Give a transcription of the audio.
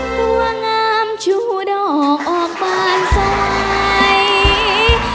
กลัวงามชู่ดอกออกไปไซค์